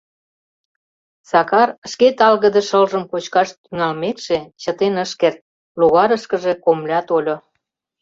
Сакар шке талгыде шылжым кочкаш тӱҥалмекше чытен ыш керт, логарышкыже-комыля тольо.